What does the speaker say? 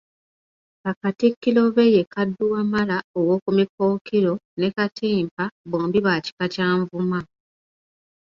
Bakatikkiro be ye Kadduwamala ow'oku Mikookiro, ne Katimpa, bombi ba kika kya Nvuma.